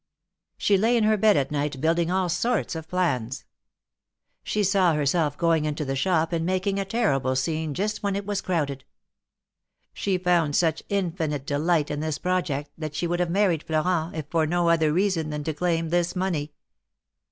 She lay in her bed at night build ing all sorts of plans. She saw herself going into the shop 252 THE MAEKETS OF PARIS. and making a terrible scene just when it was crowded. She found such infinite delight in this project that she would have married Florent, if for no other reason than to claim this money.